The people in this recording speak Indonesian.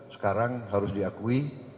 sekarang harus diakui